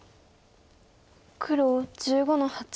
黒１５の八。